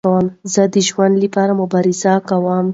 زه د ژوند له پاره مبارزه کوم.